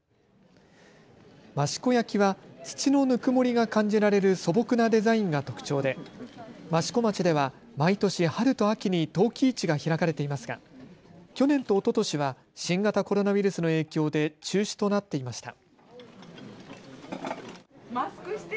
益子焼は土のぬくもりが感じられる素朴なデザインが特徴で益子町では毎年、春と秋に陶器市が開かれていますが去年とおととしは新型コロナウイルスの影響で中止となっていました。